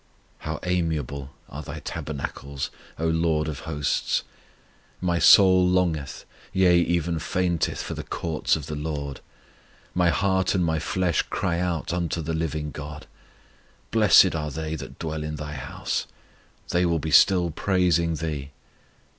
How amiable are Thy tabernacles, O LORD of hosts! My soul longeth, yea even fainteth for the courts of the LORD; My heart and my flesh cry out unto the living GOD. Blessed are they that dwell in Thy house: They will be still praising Thee.